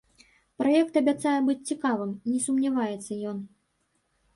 Праект абяцае быць цікавым, не сумняваецца ён.